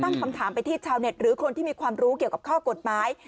คำถามไปที่ชาวเน็ตหรือคนที่มีความรู้เกี่ยวกับข้อกฎหมาย